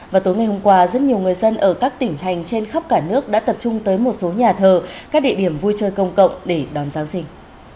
và tối ngày hôm qua rất nhiều người dân ở các tỉnh thành trên khắp cả nước đã tập trung tới một số nhà thờ các địa điểm vui chơi công cộng để đón giáng sinh